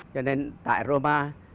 cho nên tại roma